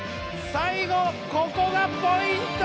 最後ここがポイント！